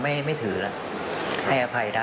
มันมีโอกาสเกิดอุบัติเหตุได้นะครับ